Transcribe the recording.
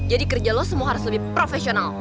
jadi kerja lo semua harus lebih profesional